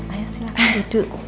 ayo silahkan duduk